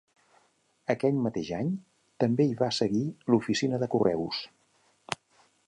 Aquell mateix any, també hi va seguir l'oficina de correus.